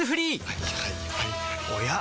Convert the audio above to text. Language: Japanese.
はいはいはいはい。